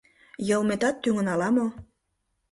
Йылметат тӱҥын ала-мо?